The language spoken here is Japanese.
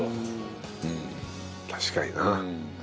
確かにな。